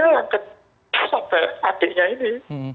hanya sampai adiknya ini